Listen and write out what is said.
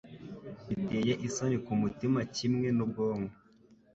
Biteye isoni kumutima kimwe n'ubwonko